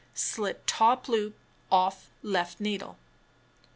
Slip top loop off left needle.